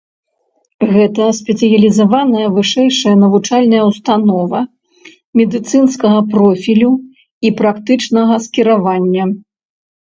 Гэта спецыялізаваная вышэйшая навучальная ўстанова медыцынскага профілю і практычнага скіраваня.